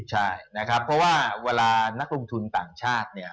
ใช่นะครับเพราะว่าเวลานักลงทุนต่างชาติเนี่ย